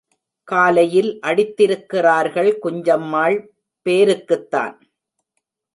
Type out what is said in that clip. காலையில் அடித்திருக்கிறார்கள் குஞ்சம்மாள் பேருக்குத்தான்.